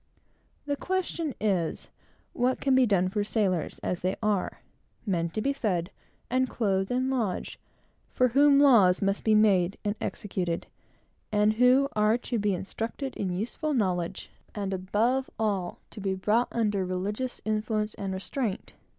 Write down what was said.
The question is, what can be done for sailors, as they are, men to be fed, and clothed, and lodged, for whom laws must be made and executed, and who are to be instructed in useful knowledge, and, above all, to be brought under religious influence and restraint?